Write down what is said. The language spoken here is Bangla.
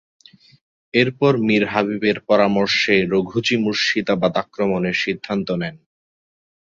এরপর মীর হাবিবের পরামর্শে রঘুজী মুর্শিদাবাদ আক্রমণের সিদ্ধান্ত নেন।